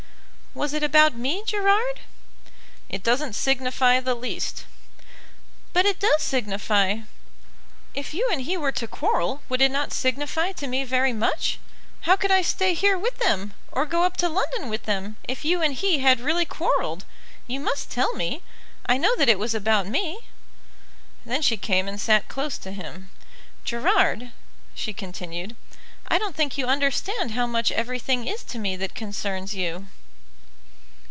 "Was it about me, Gerard?" "It doesn't signify the least." "But it does signify. If you and he were to quarrel would it not signify to me very much? How could I stay here with them, or go up to London with them, if you and he had really quarrelled? You must tell me. I know that it was about me." Then she came and sat close to him. "Gerard," she continued, "I don't think you understand how much everything is to me that concerns you."